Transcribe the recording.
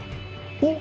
おっ？